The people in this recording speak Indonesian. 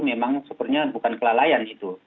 memang sepertinya bukan kelalaian itu